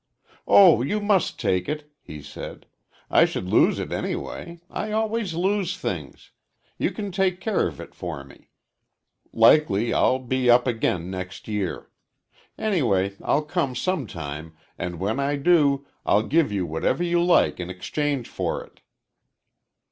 "Oh, you must take it," he said. "I should lose it anyway. I always lose things. You can take care of it for me. Likely I'll be up again next year. Anyway, I'll come some time, and when I do I'll give you whatever you like in exchange for it."